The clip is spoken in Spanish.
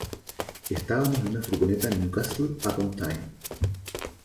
Estábamos en una furgoneta en Newcastle upon Tyne.